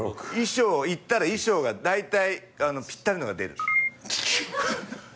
行ったら衣装が大体ぴったりのが出る。